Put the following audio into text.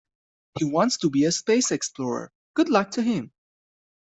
He wants to be a space explorer, good luck to him!.